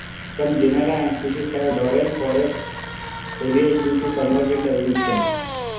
Some genera and species have laurel forest foliage due to convergent evolution.